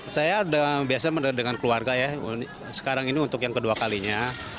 saya biasanya berada di dalam keluarga sekarang ini untuk yang kedua kalinya